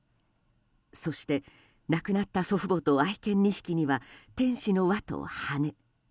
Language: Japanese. そして、亡くなった祖父母と愛犬２匹には、天使の輪と羽。